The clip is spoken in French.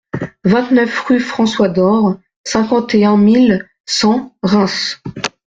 vingt-neuf rue François Dor, cinquante et un mille cent Reims